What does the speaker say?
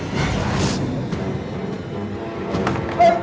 จัดเต็มให้เลย